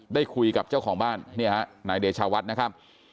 ได้คุยกับเจ้าของบ้านเนี่ยฮะนายเดชาวัดนะครับ